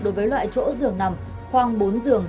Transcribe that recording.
đối với loại chỗ giường nằm khoang bốn giường